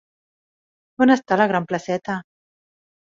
On està la gran placeta?